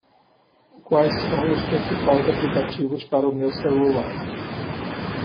Quais são os principais aplicativos para o meu celular?